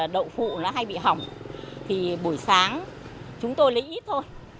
đậu phụ nó hay bị hỏng thì buổi sáng chúng tôi lấy ít thôi